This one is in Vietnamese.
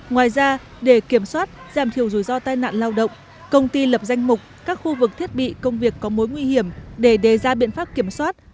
ngoài ra để kiểm soát giảm thiểu rủi ro tai nạn lao động công ty lập danh mục các khu vực thiết bị công việc có mối nguy hiểm để đề ra biện pháp kiểm soát